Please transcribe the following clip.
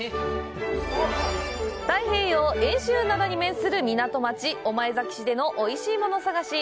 太平洋・遠州灘に面する港町、御前崎市でのおいしいもの探し。